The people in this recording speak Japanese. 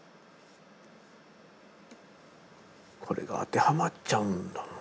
これが当てはまっちゃうんだもんな。